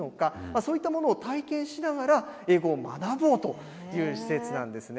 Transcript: そういったものを体験しながら、英語を学ぼうという施設なんですね。